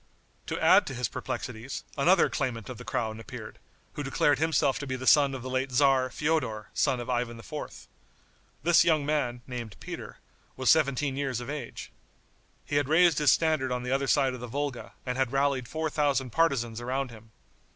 To add to his perplexities, another claimant of the crown appeared, who declared himself to be the son of the late tzar, Feodor, son of Ivan IV. This young man, named Peter, was seventeen years of age. He had raised his standard on the other side of the Volga, and had rallied four thousand partisans around him.